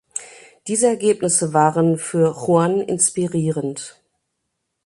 Diese Ergebnisse waren für Yuan inspirierend.